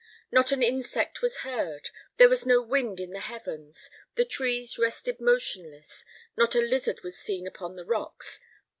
Not an insect was heard, there was no wind in the heavens, the trees rested motionless, not a lizard was seen upon the rocks.